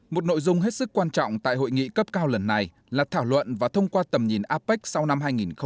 một nội dung hết sức quan trọng tại hội nghị cấp cao lần này là thảo luận và thông qua tầm nhìn apec sau năm hai nghìn hai mươi